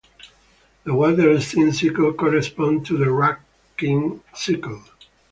The water-steam cycle corresponds to the Rankine cycle.